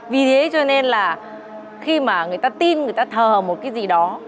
vì thế cho nên là khi mà người ta tin người ta thờ một cái gì đó